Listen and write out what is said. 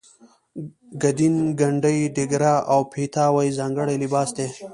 ګدین ګنډۍ ډیګره او پایتاوې ځانګړی لباس دی.